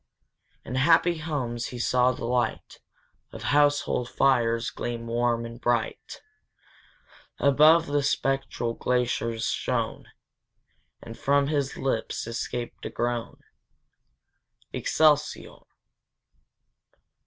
In happy homes he saw the light Of household fires gleam warm and bright; Above, the spectral glaciers shone, And from his lips escaped a groan, Excelsior!